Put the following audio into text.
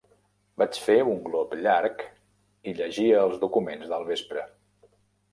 Vaig fer un glop llarg, i llegia els documents del vespre.